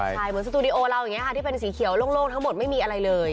ใช่เหมือนสตูดิโอเราอย่างนี้ค่ะที่เป็นสีเขียวโล่งทั้งหมดไม่มีอะไรเลย